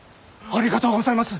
ありがとうございます。